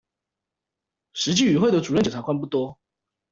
實際與會的主任檢察官不多